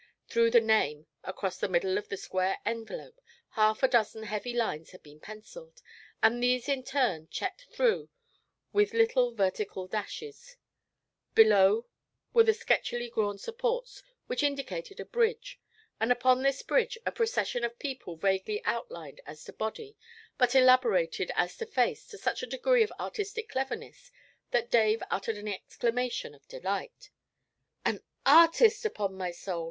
Through the name, across the middle of the square envelope, half a dozen heavy lines had been pencilled, and these in turn checked through with little vertical dashes; below were the sketchily drawn supports, which indicated a bridge, and upon this bridge a procession of people vaguely outlined as to body, but elaborated as to face to such a degree of artistic cleverness that Dave uttered an exclamation of delight. 'An artist, upon my soul!